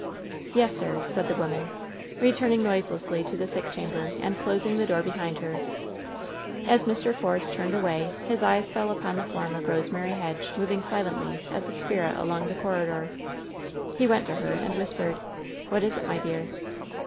"Yes, sir," said the woman, returning noiselessly to the sick chamber, and closing the door behind her. As Mr. Force turned away, his eyes fell upon the form of Rosemary Hedge moving silently as a spirit along the corridor. He went to her and whispered: "What is it, my dear?"